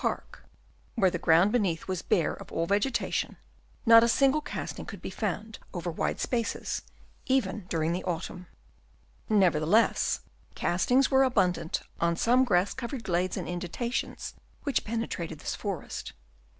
Park, where the ground beneath was bare of all vegetation, not a single casting could be found over wide spaces, even during the autumn. Nevertheless, castings were abun dant on some grass covered glades and in dentations which penetrated this forest.